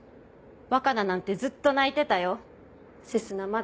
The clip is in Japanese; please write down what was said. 和香奈なんてずっと泣いてたよ。